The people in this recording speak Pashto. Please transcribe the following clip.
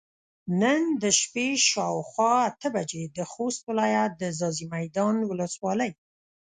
نن د شپې شاوخوا اته بجې د خوست ولايت د ځاځي ميدان ولسوالۍ